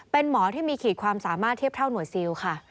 เป็นหมอที่มีขีดความสามารถเทียบเท่าหน่วยซิลค่ะ